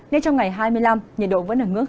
nên trong ngày hai mươi năm nhiệt độ vẫn ở ngưỡng